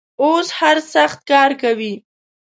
اوس هر سخت کار کوي.